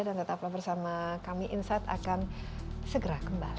dan tetaplah bersama kami insight akan segera kembali